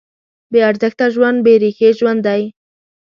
بېارزښته ژوند بېریښې ژوند دی.